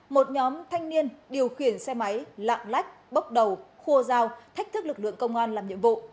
một nhóm thanh niên điều khiển xe máy lạng lách bốc đầu khua dao thách thức lực lượng công an làm nhiệm vụ